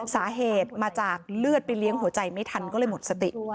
สาเหตุมาจากเลือดไปเลี้ยงหัวใจไม่ทันก็เลยหมดสติ